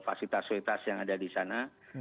fasilitas fasilitas yang ada di sana